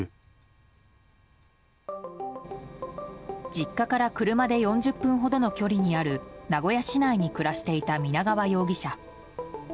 実家から車で４０分ほどの距離にある名古屋市内に暮らしていた皆川容疑者。